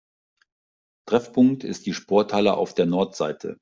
Treffpunkt ist die Sporthalle auf der Nordseite.